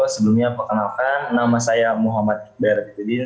sebelumnya perkenalkan nama saya muhammad iqbal pitudin